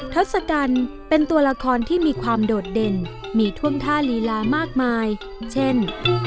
ทศกัณฐ์เป็นตัวละครที่มีความโดดเด่นมีท่วงท่าลีลามากมายเช่น